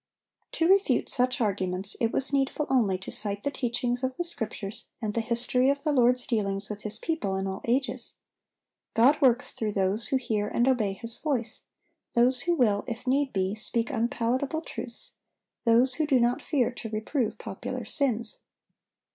To refute such arguments it was needful only to cite the teachings of the Scriptures and the history of the Lord's dealings with His people in all ages. God works through those who hear and obey His voice, those who will, if need be, speak unpalatable truths, those who do not fear to reprove popular sins.